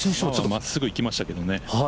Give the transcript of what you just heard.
真っすぐ行きましたけどね。